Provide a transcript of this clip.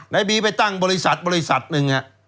นายบีไปตั้งบริษัทบริษัทหนึ่ง